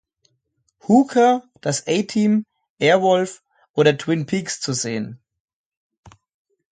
Hooker", "Das A-Team", "Airwolf" oder "Twin Peaks" zu sehen.